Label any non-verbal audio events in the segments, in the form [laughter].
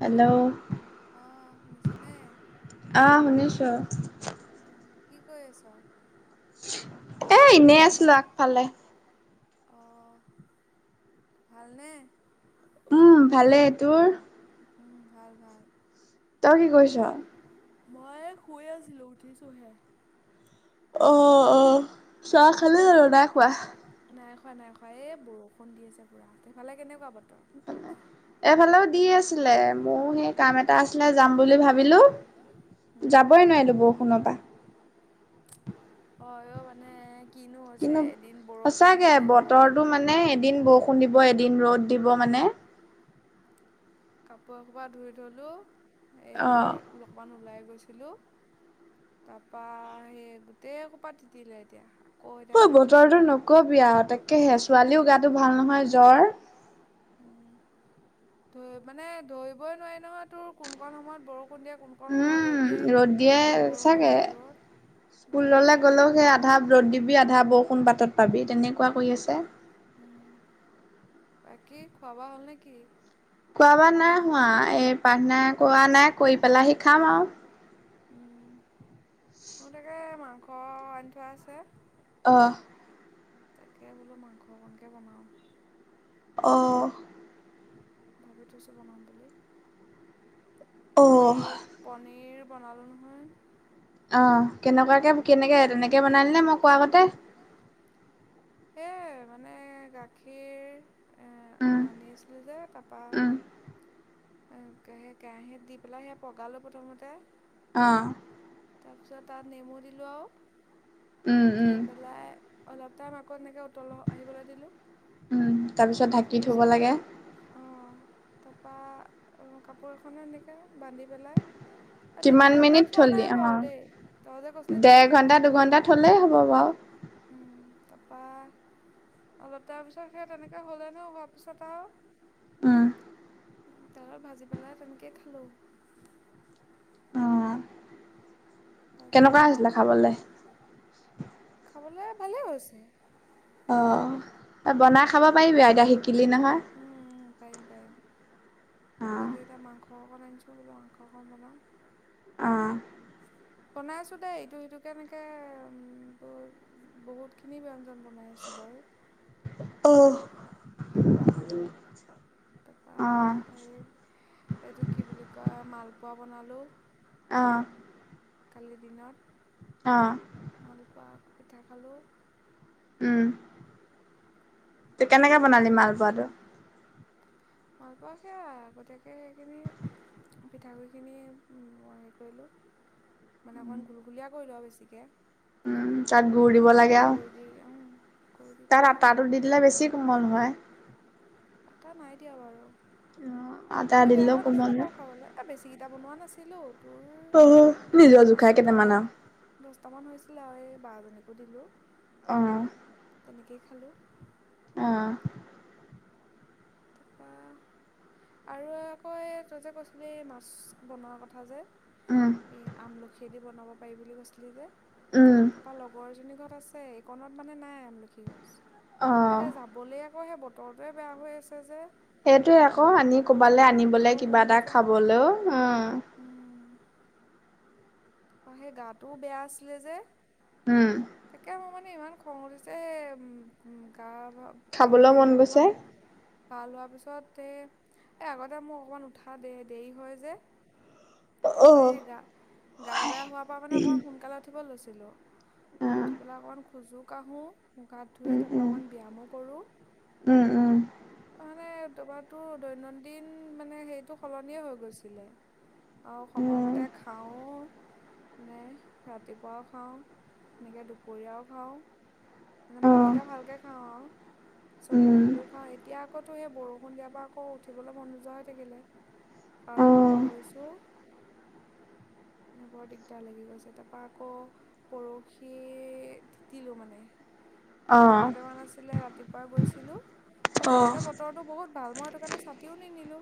Hello! অঁ, শুনিছ নে? আহ, শুনিছোঁ। অঁ, কি কৰি আছ? এ এনে আছো আগফালে। অঁ, ভালনে? ভালে, তোৰ? উম, ভাল-ভাল। তই কি কৰিছ? মই শুইে আছিলো, উঠিছোঁহে। অঁ, অঁ চাহ খালে আৰু নাই কোৱা? নাই খোৱা, নাই খোৱা, এই বৰষুণ দি আছে পুৰা। সেইফালে কেনেকুৱা বতৰ? এইফালেও দি আছিলে, মোৰ সেই কাম এটা আছিলে যাম বুলি ভাবিলো- যাবই নোৱাৰিলো বৰষুণৰ পৰা। অঁ আৰু মানে- কিনো হৈছে এদিন বৰষুণ এদিন ৰ'দ। কাপোৰ এ সোপা ধুই থলোঁ, এই অলপমান ওলাই গৈছিলোঁ- তাৰপা সেই গোটেই সোপা তিতিলেে এতিয়া। অঁ, বতৰটো নকবি আৰু, তাকেহে ছোৱালীও গাটো ভাল নহয় জ্বৰ। ধৰি মানে ধৰিবই নোৱাৰি নহয়, তোৰ কোনকণ সময়ত বৰষুণ দিয়া কোন- কণ সময়ত ৰ'দ দিয়ে, এই বৰষুণ এ ৰ'দ। ফুললৈ গ'লেও সেই আধা ৰ'দ দিবি, আধা বৰষুণ পাতত পাবি তেনেকুৱা কৰি আছে। উম। বাকী খোৱা-বোৱা হ'ল নেকি? খোৱাা বোৱা নাই হোৱা, এই প্ৰাৰ্থনা কৰোৱা নাই, কৰি পেলাই শি খাম আৰু। উম। মোৰ তাকে মাংস আনি থোৱা আছে- অঁ। তাকে বোলো মাংস অকণকৈ বনাওঁ। অঁ। ভাবি থৈছোঁ বনাম বুলি। হে, পনীৰ বনালোঁ নহয়। অ, কেনেকুৱাকে কেনেকে তেনেকে বনালি নে মই কোৱা আগতে? সেয় মানে গাখীৰ আনিছিলোঁ যে তাৰপৰা। কেৰাহীত দি পেলাই পগালো প্ৰথমতে? অ। তাৰপিছত তাত নেমু দিলো আৰু দি পেলাই। অলপ টাইম আকৌ এনেকে উতল আহিবলৈ দিলোঁ! উম, তাৰ পিছত ঢাকি থব লাগে! অ', তা পা কাপোৰ এখনে এনেকে বান্ধি পেলাই? তিনি ঘন্টা থোৱা নাই বাও দেই? তহঁতে কৈছিলি তিনি ঘণ্টা থবলৈ! উম, তাপা। অলপ তাৰ পিছত সেই তেনেকে হ'লে ন? হোৱাৰ পিছত আৰু। উম। তেলত ভাজি পেলাই তেনেকে খালোঁ? ত‌ই যিবোলো মাংসহে আন। খাবলে ভালে হৈছে। অ', বনাই খাব পাৰিবি! এতিয়া শিকিলি নহয়! অ', পাৰিম পাৰিম! আজি এতিয়া মাংস অকণ আনিছো বোলো মাংস অকণ বনাম! অ'! বনাই আছো দেই? ইটো সিটো কে এনেকে! উম দিনবোৰ। বহুতখিনি ব্যঞ্জন বনাই আছোঁ বাও! অহ'! তা পা এই এইটো কি বুলি কয় মালপোৱা বনালোঁ! অ'! কালি দিনত! অ'! মালপোৱা পিঠা খালোঁ? উম, তই কেনেকে বনালি মালপোৱাটো? মালপোৱা সেয়া গতিকে সেইখিনি? পিঠাগুড়িখিনি হেৰি কৰিলোঁ? মানে অকণ ঘুলঘুলীয়া কৰি লওঁ বেছিকে? উম, তাত গুড় দিব লাগে আও তাত আটা টো দি। তেতিয়া বেছি কোমল হয়! আটা নাই দিয়া বাৰু? এই বেয়া হোৱা নাছিলে বাৰু খাবলৈ! এ বেছিকেইটা বনোৱা নাছিলোঁ? অ', নিজৰ জোখা কেইটামান আও! দচটামান হৈছিল আও এই বা হতকো দিলোঁ! অ'! তেনেকেই খালোঁ! অহ'! অহ'! আৰু আকৌ এ তই যে কৈছিলি মাছ বনোৱাৰ কথা যে? এই আমলখি দি বনাব পাৰি বুলি কৈছিলি যে? তাপা লগৰজনী ঘৰত আছে, এইকনত মানে নাই আমলখি গছ। এতিয়া যাবলৈ আকৌ সেই বতৰটোৱে বেয়া হৈ আছে যে! সেইটে আকৌ আনি কবালৈ আনিবলে, কিবা এটা খাবলৈও! অঁ। হম। অঁ, সেই গাটোও বেয়া আছিলে যে? উম। এতিয়া মোৰ মানে ইমান খং উঠিছে, কা বা- অঁ, হেৰি অকমান- গা লোৱাৰ পিছত এই আগতে মোৰ অকণমান উঠা দে দেৰি হয় যে? তাপা এই গা গা বেয়া হোৱাৰ পৰা মানে অকণমান সোনকালে উঠিব লৈছিলোঁ। ত উঠি পেলাই, অকণ খোজ কাঢ়োঁ, মুখ-গাত ধুই, তাৰপৰা অকণ ব্যায়ামো কৰোঁ। [inaudible] মানে তোমাৰটো দৈনন্দিন মানে হেৰিটো সলনি হৈ গৈছিলে। অঁ, সময়মতে খাওঁ। মানে ৰাতিপুৱাও খাওঁ, তেনেকৈ দুপৰীয়াও খাওঁ। মানে ভাতকেইটা ভালকৈ খাওঁ আৰু তাৰপিছত গধূলিও খাওঁ। এতিয়া- আকৌতো সেই বৰষুণ দিয়াৰ পৰা আকৌ উঠিবলৈ মন যোৱা হৈ থাকিলে। সাৰো নোপোৱা হৈছোঁ। বৰ দিগদাৰ লাগি গৈছে। তাৰ পৰা আকৌ- পৰশি তিতিলো মানে। এই কাম কেইটামান আছিলে ৰাতিপুৱাই গৈছিলোঁ। এ, যাওঁতে বতৰ- বহুত ভাল। মই সেইটো কাৰণে ছাতিও নিনিলোঁ।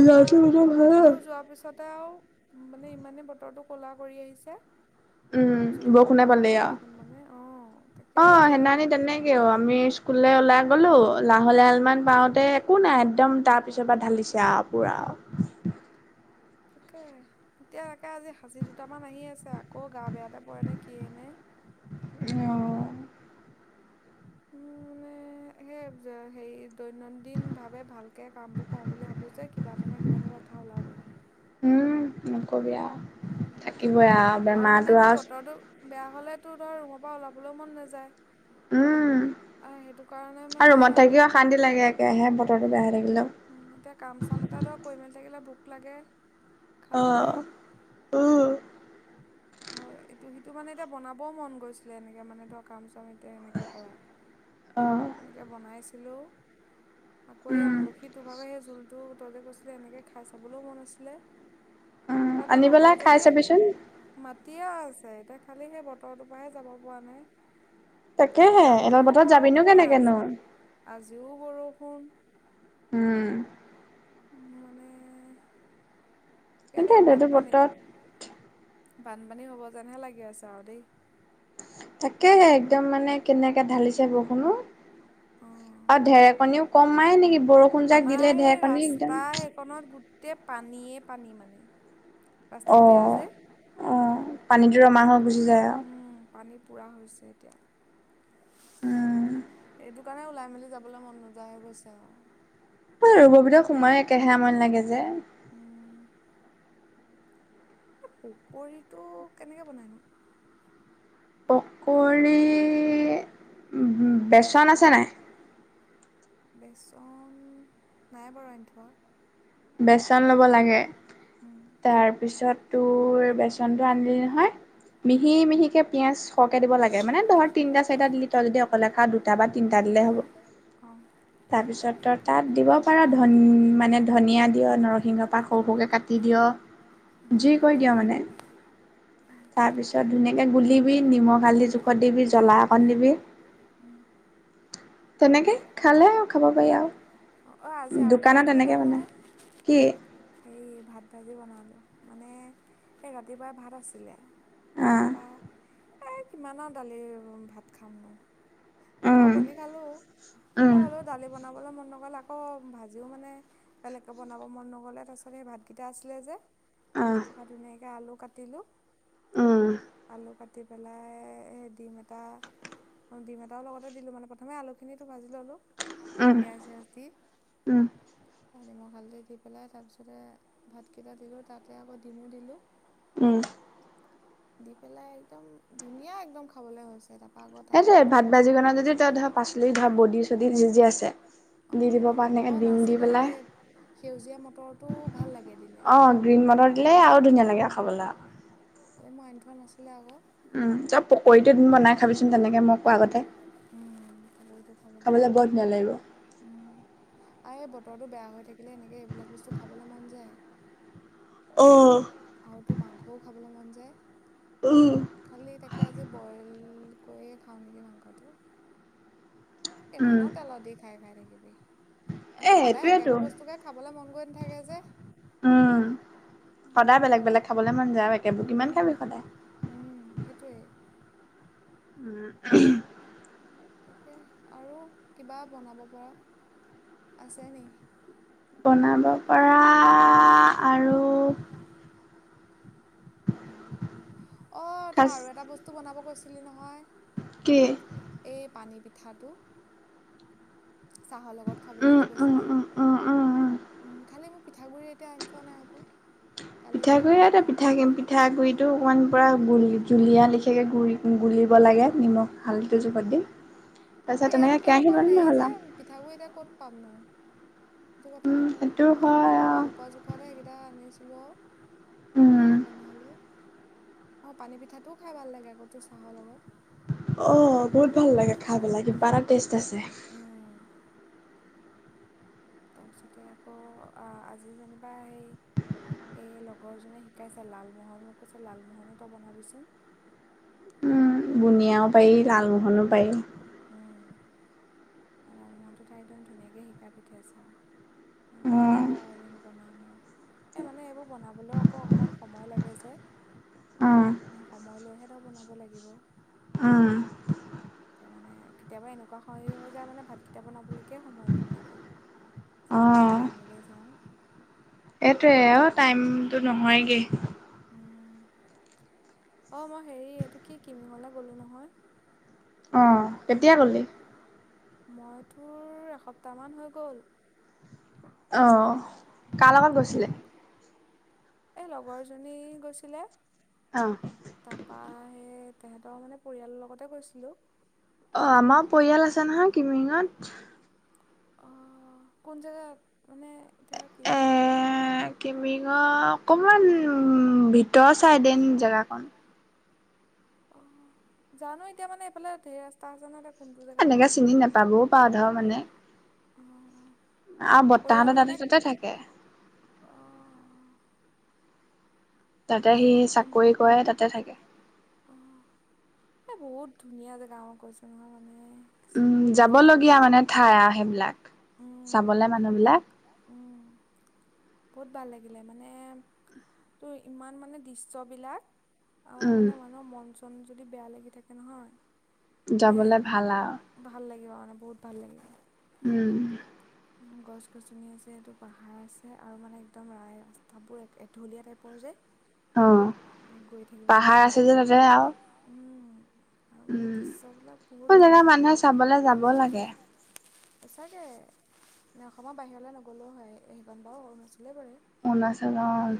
তাৰপৰা অকণমান দূৰ যোৱাৰ পিছত- এটাও মানে ইমানে বতৰটো ক'লা কৰি আহিছে- তাৰপিছতে পুৰা বৰষুণ মানে, অঁ। অঁ, সেনাখিনি তেনেকেও আমি স্কুললৈ ওলাই গ'লোঁ, লাহে লাহে অলপমান পাওঁতে- একো নাই, একদম তাৰ পিছৰ পৰা ঢালিছে আৰু পুৰা। তাকে এতিয়া, তাকে আজি হাচি দুটামান আহি আছে আকৌ গা বেয়াতেই পৰে নে কিয়েনে। অঁ। উম, মানে - সেই হেৰি দৈনন্দিনভাৱে ভালকৈ কামবোৰ কৰোঁ বুলি ভাবোঁ যে কিবা এটা নহয়, কিবা এটা- লেথা ওলাবেই। উম, নক'বি আৰু থাকিবই আৰু বেমাৰতো আৰু- বেয়া হ'লেতো ধৰ ৰুমৰ পৰা ওলাবলৈও মন নাযায়। উম, আৰু ৰুমত থাকিও অশান্তি লাগে। একেই, বতৰটো বেয়া থাকিলেও। এতিয়া কাম-চাম এটা তই কৰি-মেলি থাকিলে ভোক লাগে। অঁ, উম। হয়, এইটো-সিটো, মানে এতিয়া বনাবও মন গৈছিলে। এনেকৈ, মানে ধৰ কাম-চাম- তে সেনেকৈ কৰাত, তেনেকৈ বনাইছিলোঁ। আকৌ এই আমলখি দুভাগৰ সেই জোলটো, তই যে কৈছিলি, এনেকৈ খাই চাবলৈও মন আছিলে। কিবা এটা লগৰ জনীয়ে- মাতিয়ে আছে, এতিয়া খালি সেই বতৰটোৰ পৰাহে যাব পৰা নাই। কালিও বৰষুণ, আজিও বৰষুণ। উম। উম, মানে কেইটা বানপানী- বানপানী হ'ব যেন হে লাগি আছে দেই। তাকে, হে একদম মানে কেনেকে ঢালিছে বৰষুণো। আৰু ঢেৰেকণীও কম মাৰে নেকি? বৰষুণ যাক দিলে ঢেৰেকণী একদম। কণত গোটেই পানীয়েই পানী, মানে। ৰাস্তাটো বেয়া যে, উম',। পানী পোৰা হৈছে এতিয়া। উম'। এইটো কাৰণে ওলাই-মেলি যাবলৈ মন নোযোৱা হৈ গৈছে আৰু। অ ৰোমৰ ভিতৰত সোমাই, একেইহে আমনি লাগে যে। উম'। এই পকৰিটো কেনেকে বনাই নো? পকৰি, বেচন। বেচন আছে নে নাই? বেচন নাই বাৰু আনি থোৱা। বেচন ল'ব লাগে, তাৰপিছত। তোৰ বেচনটো আনিলি নহয়। মিহি মিহিকে পিঁয়াজ। সৰহ‌কে দিব লাগে। মানে, ধৰ, তিনিটা-চাৰিটা দিলি, তই যদি অকলে খাওঁ দু। দুটা বা তিনটা দিলে হ'ব তাৰ পিছত তো তাত দিব পাৰা ধন মানে। ধনিয়া দিয় নৰসিংহ পাত সৰু সৰুকে কাটি দিয় যি কৰি দিয় মানে। তাৰপিছত ধুনীয়াকে গুলিবি নিমখ হালধি জোখত দিবি জ্বলা অকণ দিবি। তেনেকে খালেহে আৰু খাব পাৰি আৰু দোকানত এনেকে বনাই কি? এই ভাত ভাজি বনালোঁ মানে সেই ৰাতিপুৱাই ভাত আছিলে। তাপা এই কিমানৰ দালি ভাত খাম নো। হেল্ল' কনী খালোঁ কোৱা হ'লেও দালি বনাবলৈ মন নগ'ল আকৌ ভাজিও মানে। বেলেগকে বনাব মন নগ'লে তাৰপিছত সেই ভাতকেইটা আছিলে যে। তাৰপা ধুনীয়াকে আলু কাটিলো আলু কাটি। দি পেলাই এ ডিম এটা ডিম এটা। আটাৰ লগতে দিলোঁ মানে প্ৰথমে আলুখিনিতো ভাজি ল'লোঁ পিঁয়াজ চিয়াজ দি। নিমখ হালধি দি পেলাই তাৰপিছতে। ভাতকেইটা দিলোঁ তাতে আকৌ ডিমু দিলোঁ। উম। দি পেলাই একদম ধুনীয়া একদম খাবলে হৈছে তাৰ পা আকৌ তাত। ভাত ভাজি কিনে যদি তোৰ ধৰ পাচলি ধৰা বডি চদি যি যি আছে। অঁ অঁ নাছিলে এই সেউজীয়া মটৰটো ভাল লাগে দিলে। গ্ৰীণ মটৰ দিলে আৰু ধুনীয়া লাগে খাবলে। খালি মই আনি থোৱা নাছিলে আকৌ। পুখুৰীত বনাই খাবিচোন তেনেকে মই পোৱাৰত। খাবলে বৰ ধুনীয়া লাগিব। উম আ এই বতৰটো বেয়া হৈ থাকিলে এনেকে এইবিলাক বস্তু খাবলে মন যায়। উম আৰু তোৰ মাংসও খাবলে মন যায়। উম। খালি তাকে আজি বইল কৰিয়ে খাওঁ নেকি মাংসটো। ইমানৰ তেলত দি খাই খাই থাকিবি মানে সদায় একেবোৰ বস্তুকে। খাবলৈ মন গৈ নাথাকে যে। উম সদায় বেলেগ বেলেগ খাবলে মন যায় একেবোৰ কিমান খাবি সদায়। উম সেইটোৱেই। উম। তাকে আৰু কিবা বনাব পৰা আছে নি। বনাব পৰা আৰু। বনাই মেল খাবলৈ অঁ তই আৰু এটা বস্তু বনাব কৈছিলি নহয়। কি? এই পানী পিঠাটো। চাহৰ লগত খাবলৈ যে কৈছিলি উম খালি মোক। পিঠাগুড়ি এতিয়া আনি থোৱা নাই আকৌ কালিহে মা বোৱাৰ কাৰণে। পিঠাগুৰিটো অকণমান পুৰা গু জুলীয়া লেখিয়াকে গুৰি গ। দিব লাগে নিমখ হালধিটো জোপত দি। এ ইয়াত এতিয়া অকণ হেৰি যে পিঠাগুড়ি এতিয়া ক'ত পাম নো। সেইটো কথা আকৌ এতিয়া মই মালপোৱা জোখাতে সেইকেইটা আনিছিলোঁ আৰু। সেইকেইটা বনালো অ পানী পিঠাটোও খাই ভাল লাগে আকৌ তোৰ চাহৰ লগত। অ বহুত ভাল লাগে খাই পেলাই কিবা এটা টেষ্ট আছে। উম। তাৰপিছতে আকৌ আজি যেনিবা সেই। এই লগৰজনে শিকাইছে লালমোহন মোক কৈছে লালমোহনো তই বনাবিচোন। বুনিয়াও পাই লালমোহনো পাই। লালমহনতো তাই একদম ধুনীয়াকে শিকাই পঠিয়াইছে আও। মই বোলো হ'ব বা এদিন বনাম আও। এই মানে এইবোৰ বনাবলৈ আকৌ অকণমান সময় লাগে যে। সময় লৈহে তই বনাব লাগিব। উম। এতিয়া মানে কেতিয়াবা এনেকুৱা সৈ হৈ যায় মানে ভাতকেইটা বনাবলৈকে সময় নহয়গৈ। যেন তেন খাই মেলি যাওঁ। এইটোৱে অ টাইমটো নহয়গে। অ মই হেৰি এইটো কি কিনিবলে গলো নহয়। অ কেতিয়া গ'লি। মই তোৰ এসপ্তাহ মান হৈ গ'ল। অঁ কাৰ লগত গৈছিলি। এই লগৰ জনী গৈছিলে। অ। তাৰপা সেই তেহঁতৰ মানে পৰিয়ালৰ লগতে গৈছিলো। অ আমাৰ পৰিয়াল আছে নহয় কিমিঙত। অ কোন জেগাত মানে এতিয়া কিমিং। কিমিঙৰ অকমান ভিতৰৰ চাইদে নি জেগাকন। অ জানো এতিয়া মানে এইফালে ঢেৰ ৰাস্তা আছে নহয়। এনেকে চিনি নাপাবও পাওঁ ধৰ মানে। অ পৰিয়াল মানে অ। তাতে সি চাকৰি কৰে তাতে থাকে। অ এই বহুত ধুনীয়া জেগা মই কৈছো নহয় মানে। ছ বহুত ভাল লাগিলে মানে। উম বহুত ভাল লাগিলে মানে। ইমান মানে দৃশ্যবিলাক অ মানে মানুহৰ মন। মন যদি বেয়া লাগি থাকে নহয় মানে। ভাল লাগিব মানে বহুত ভাল লাগিব। উম। গছ- গছনি আছে এইটো পাহাৰ আছে আৰু মানে একদম ৰা ৰাস্তাবোৰ এঢলীয়া টাইপৰ যে। গৈ থাকিব লাগে গৈ থাকিব লাগে উম। আৰু মানে দৃশ্যবিলাক বহুত ধুনীয়া চাবলৈ যাব লাগে। মানে অসমৰ বাহিৰলৈ নগ'লেও হয় সেইখন বাৰু অৰুণাচলেই পৰে। অৰুণাচল অ।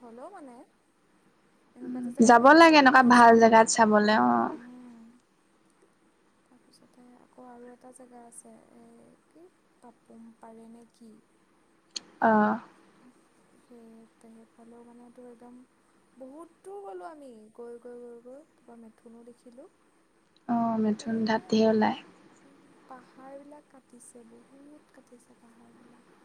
হ'লেও মানে। এনেকুৱা এটা জেগা ইমান ওচৰতে আছে ভাল জেগাত চাবলৈ উম। তাৰপিছতে আকৌ আৰু এটা জেগা আছে এই কি। পাপোম পাৰে নে কি। অ। সেই সেইফালেও মানেটো একদম। বহুত দূৰ গ'লোঁ আমি গৈ গৈ গৈ গৈ তাৰপৰা মেথুনো দেখিলোঁ। খালী মানে। উ পাহাৰ বিলাক কাটিছে বহুত কাটিছে পাহাৰ বিলাক।